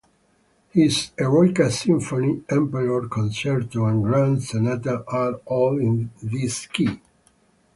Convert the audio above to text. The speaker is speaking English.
His Eroica Symphony, Emperor Concerto and Grand Sonata are all in this key.